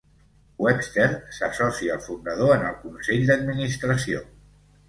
Webster s'associa al fundador en el consell d'administració.